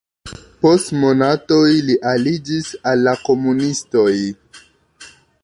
Post monatoj li aliĝis al la komunistoj.